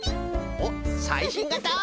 おっさいしんがた！